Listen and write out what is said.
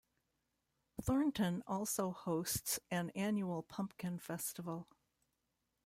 Thornton also hosts an annual Pumpkin Festival.